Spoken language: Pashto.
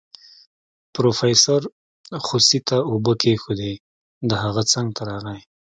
پروفيسر خوسي ته اوبه کېښودې د هغه څنګ ته راغی.